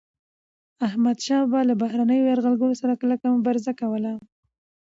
احمدشاه بابا به له بهرنيو یرغلګرو سره کلکه مبارزه کوله.